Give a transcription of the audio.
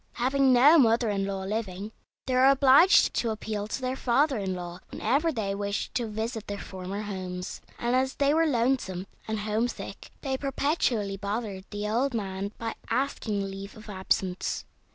Having no mother in law living, they were obliged to appeal to their father in law whenever they wished to visit their former homes, and as they were lonesome and homesick they perpetually bothered the old man by asking leave of absence.